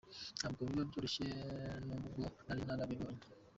Ntabwo biba byoroshye n’ubwo nari narabikoreye.